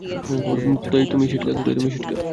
কোথায় তুমি, সিটকা?